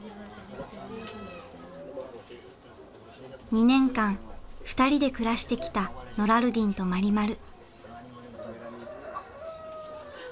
２年間２人で暮らしてきたノラルディンとマリマル。